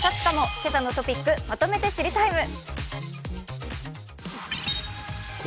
「けさのトピックまとめて知りＴＩＭＥ，」。